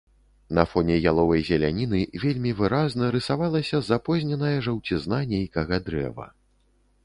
На фоне яловай зеляніны вельмі выразна рысавалася запозненая жаўцізна нейкага дрэва.